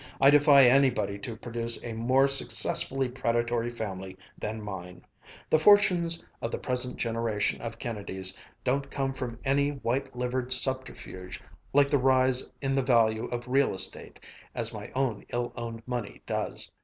"I defy anybody to produce a more successfully predatory family than mine. The fortunes of the present generation of Kennedys don't come from any white livered subterfuge, like the rise in the value of real estate, as my own ill owned money does.